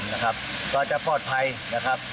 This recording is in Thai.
๒๓คนนะครับก็จะพอดภัยนะครับ